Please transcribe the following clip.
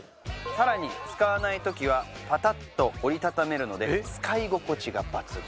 更に使わない時はパタッと折り畳めるので使い心地が抜群。